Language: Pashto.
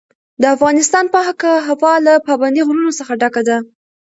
د افغانستان پاکه هوا له پابندي غرونو څخه ډکه ده.